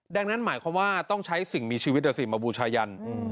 ดังนั้นหมายความว่าต้องใช้สิ่งมีชีวิตมาบูชายัน